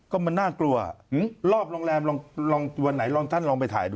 ก็มันน่ากลัวรอบโรงแรมลองวันไหนลองท่านลองไปถ่ายดู